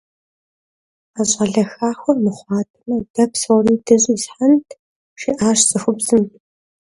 А щӀалэ хахуэр мыхъуатэмэ, дэ псори дыщӀисхьэнт, - жиӀащ цӀыхубзым.